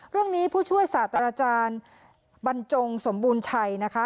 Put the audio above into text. เรื่องนี้ผู้ช่วยศาสตร์อาจารย์บันจงสมบูรณ์ชัยนะคะ